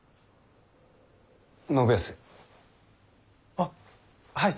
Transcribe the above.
あっはい。